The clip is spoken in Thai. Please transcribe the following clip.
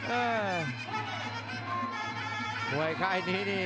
เอ่อมวยค่ะอันนี้นี่